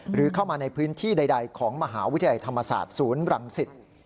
หรือเข้ามาในพื้นที่ใดของมหาวิทยาลัยธรรมศาสตร์ศูนย์รังสิต